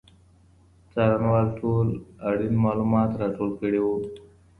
څارنوال ټول اړین معلومات راټول کړي وو.